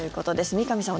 三上さん